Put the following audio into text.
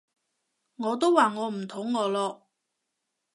我都話我唔肚餓咯